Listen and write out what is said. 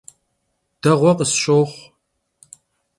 Değue khısşoxhu.